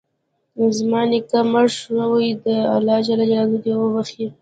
زما نیکه مړ شوی ده، الله ج د وبښي